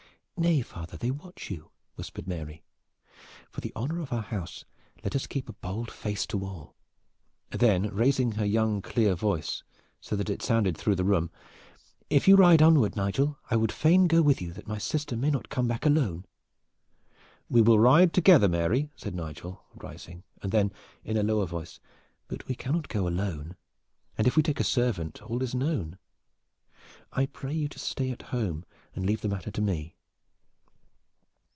"Nay, father, they watch you!" whispered Mary. "For the honor of our house let us keep a bold face to all." Then, raising her young clear voice, so that it sounded through the room: "If you ride eastward, Nigel, I would fain go with you, that my sister may not come back alone." "We will ride together, Mary," said Nigel, rising; then in a lower voice: "But we cannot go alone, and if we take a servant all is known. I pray you to stay at home and leave the matter with me."